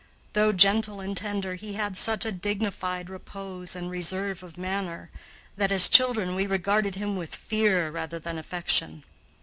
Though gentle and tender, he had such a dignified repose and reserve of manner that, as children, we regarded him with fear rather than affection.